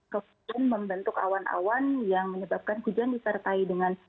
kemudian membentuk awan awan yang menyebabkan hujan disertai dengan